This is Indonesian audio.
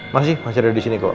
masih masih ada di sini kok